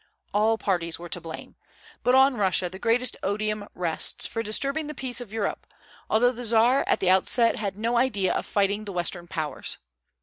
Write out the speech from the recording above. All parties were to blame; but on Russia the greatest odium rests for disturbing the peace of Europe, although the Czar at the outset had no idea of fighting the Western Powers.